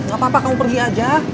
gak apa apa kamu pergi aja